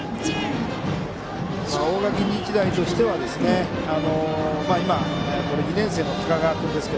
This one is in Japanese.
大垣日大としては２年生の高川君ですが